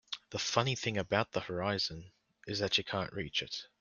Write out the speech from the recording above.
The funny thing about the horizon is that you can't reach it.